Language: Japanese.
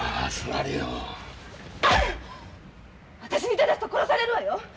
私に手出すと殺されるわよ！